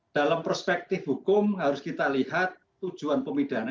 dalam perspektif hukum harus kita lihat tujuan pemidana